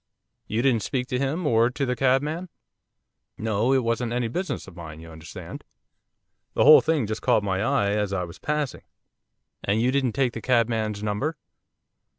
'You didn't speak to him, or to the cabman?' 'No, it wasn't any business of mine you understand. The whole thing just caught my eye as I was passing.' 'And you didn't take the cabman's number?